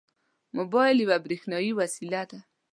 موبایل یوه برېښنایي وسیله ده.